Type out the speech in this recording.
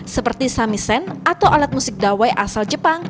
seperti samisen atau alat musik dawai asal jepang